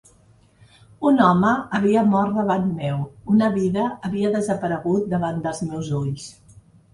Un home havia mort davant meu; una vida havia desaparegut davant dels meus ulls.